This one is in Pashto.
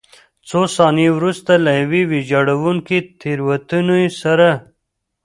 څو ثانیې وروسته له یوې ویجاړوونکې تېروتنې سره.